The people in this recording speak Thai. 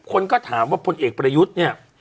คนก็ถามว่าพลเอกประยุทธ์เนี่ย